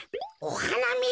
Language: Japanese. おはなみ？